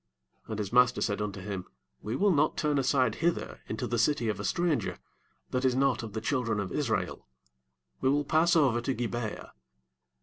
12 And his master said unto him, We will not turn aside hither into the city of a stranger, that is not of the children of Israel; we will pass over to Gib'e ah.